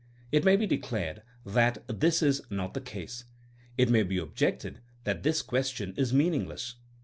It may be declared that this is not the case; it may be objected that this ques tion is meaningless.